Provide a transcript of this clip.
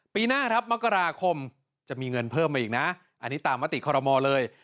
ปีหน้าครับมกราคมจะมีเงินเพิ่มมาอีกนะอันนี้ตามมติคอรมอลเลย